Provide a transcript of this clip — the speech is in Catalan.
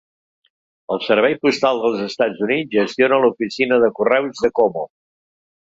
El Servei Postal del Estats Units gestiona l'oficina de correus de Como.